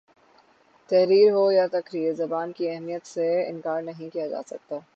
تحریر ہو یا تقریر زبان کی اہمیت سے انکار نہیں کیا جا سکتا